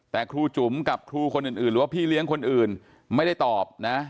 แต่ครูจุ๋มกับครูคนอื่นหรือว่าพี่เลี้ยงคนอื่นไม่ได้ตอบนะ